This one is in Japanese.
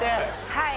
はい。